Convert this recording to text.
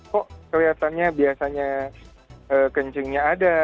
kok kelihatannya biasanya kencingnya ada